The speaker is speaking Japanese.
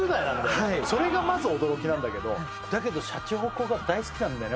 はいそれがまず驚きなんだけどだけどシャチホコが大好きなんだよね